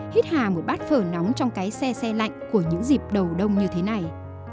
hít hà một bát phở nóng trong cái xe xe lạnh của những dịp đầu đông như thế này